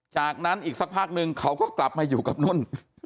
จากนั้นอีกสักพักนึงเขาก็กลับมาอยู่กับนุ่น